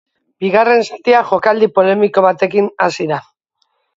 Bigarren zatia jokaldi polemiko batekin hasi da.